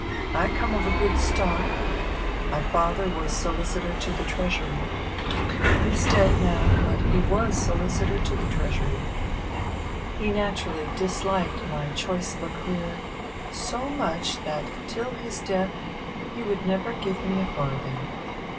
I come of a good stock: my father was Solicitor to the Treasury. He's dead now, but he was Solicitor to the Treasury. He naturally disliked my choice of a career so much that till his death he would never give me a farthing.